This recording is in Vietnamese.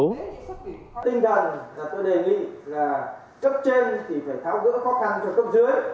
cấp trên thì phải tháo gỡ khó khăn cho cấp dưới